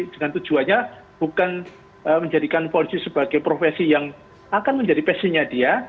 dengan tujuannya bukan menjadikan polisi sebagai profesi yang akan menjadi pesinnya dia